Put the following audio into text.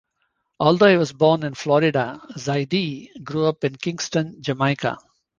Although he was born in Florida, Ziadie grew up in Kingston, Jamaica.